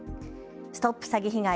ＳＴＯＰ詐欺被害！